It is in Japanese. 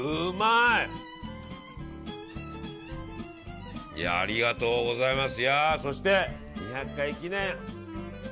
いやー、ありがとうございます。